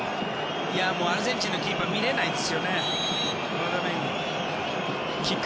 アルゼンチンのキーパーはもう、見れないですよね。